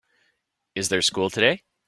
Is there school today?